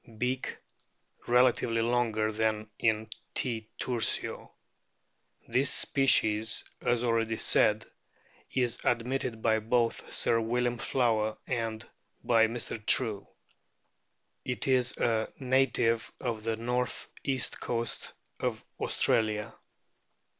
Beak relatively longer than in T. tiirsio. This species, as already said, is admitted by both Sir William Flower and by Mr. True. It is a native of the north east coast of Australia.